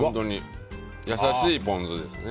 優しいポン酢ですね。